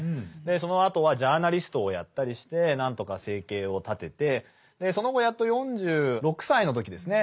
そのあとはジャーナリストをやったりして何とか生計を立ててその後やっと４６歳の時ですね